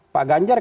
pak ganjar kan